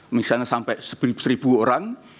misalnya sampai seribu orang